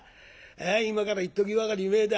今からいっときばかり前だ。